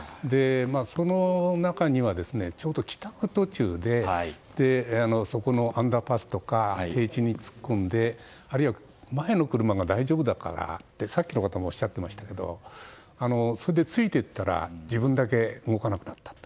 その中にはちょうど帰宅途中でアンダーパスとか低地に突っ込んであるいは前の車が大丈夫だからとさっきの、東金市の方もおっしゃっていましたがそれでついていったら自分だけ動かなくなったと。